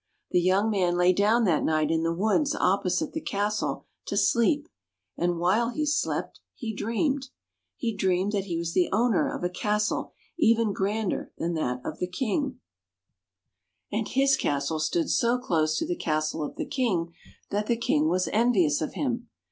The young man lay down that night in the woods opposite the castle, to sleep. And while he slept, he dreamed. He dreamed that he was the owner of a castle even grander than that of the King, [ 141 ] FAVORITE FAIRY TALES RETOLD and his castle stood so close to the castle of the King, that the King was envious of him.